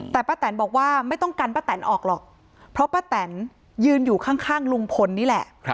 แต่ป้าแตนบอกว่าไม่ต้องกันป้าแตนออกหรอกเพราะป้าแตนยืนอยู่ข้างลุงพลนี่แหละ